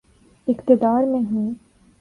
اقتدار میں ہوں۔